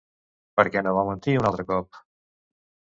Per què no va mentir un altre cop?